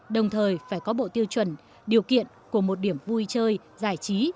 đồng thời phải có bộ tiêu chuẩn điều kiện của một điểm vui chơi giải trí